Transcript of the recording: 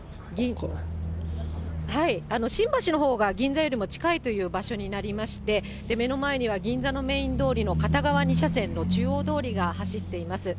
新橋のほうが、銀座よりも近いという場所になりまして、目の前には銀座のメイン通りの片側２車線の中央通りが走っています。